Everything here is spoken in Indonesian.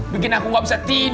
punktim yang akan ada di wel